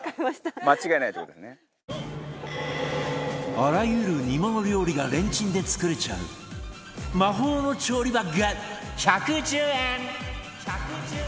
あらゆる煮物料理がレンチンで作れちゃう魔法の調理バッグ１１０円